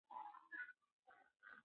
لاسونه د پخلي مخکې ومینځئ.